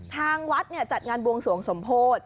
ทางวัดจัดงานบวงสวงสมโพธิ